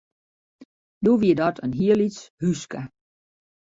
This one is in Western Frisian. Doe wie dat in heel lyts húske.